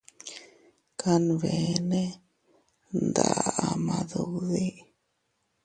Kanbeene nda ama duddi.